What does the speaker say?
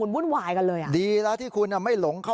เวลา